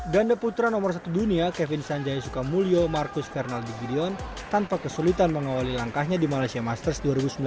ganda putra nomor satu dunia kevin sanjaya sukamulyo marcus fernaldi gideon tanpa kesulitan mengawali langkahnya di malaysia masters dua ribu sembilan belas